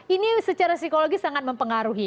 ini secara psikologis sangat mempengaruhi